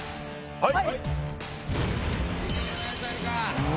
はい。